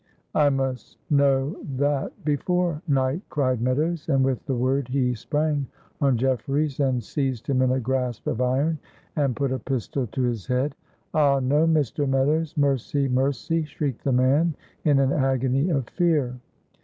"I must know that before night," cried Meadows, and with the word he sprang on Jefferies and seized him in a grasp of iron, and put a pistol to his head. "Ah! no! Mr. Meadows. Mercy! mercy!" shrieked the man, in an agony of fear.